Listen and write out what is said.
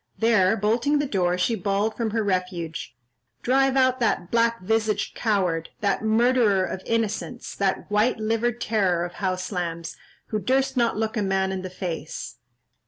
There, bolting the door, she bawled from her refuge, "Drive out that black visaged coward, that murderer of innocents, that white livered terror of house lambs, who durst not look a man in the face."